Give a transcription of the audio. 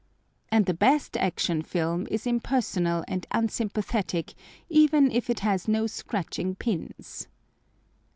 And the best Action Film is impersonal and unsympathetic even if it has no scratching pins.